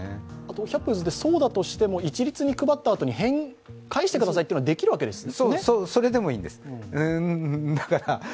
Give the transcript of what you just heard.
百歩譲ってそうだとしても、一律に配ったあと返してくださいというのはできるんですよね。